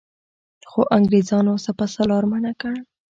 خو انګرېزانو سپه سالار منع کړ.